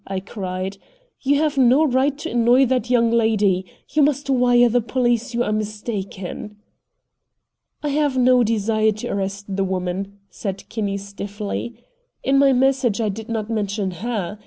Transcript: I cried. "You've no right to annoy that young lady. You must wire the police you are mistaken." "I have no desire to arrest the woman," said Kinney stiffly. "In my message I did not mention HER.